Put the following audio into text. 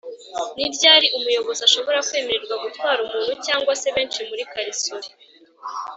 ni ryari umuyobozi ashobora kwemererwa gutwara umuntu cg se benshi muri karisoli